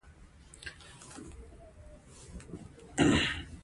کمپیوټر هره ورځ نوي معلومات ذخیره کوي.